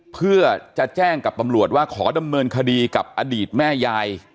เพื่อจะแจ้งกับตำรวจว่าขอดำเนินคดีกับอดีตแม่ยาย